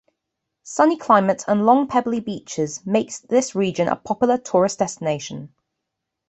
Sunny climate and long pebbly beaches make this region a popular tourist destination.